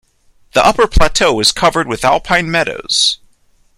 The upper plateau is covered with alpine meadows.